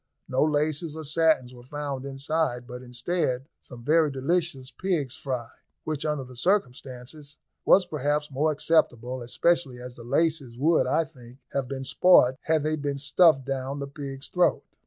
No laces or satins were found inside, but instead some very delicious pig's fry, which, under the circumstances, was perhaps more acceptable, especially as the laces would, I think, have been spoilt had they been stuffed down the pig's throat.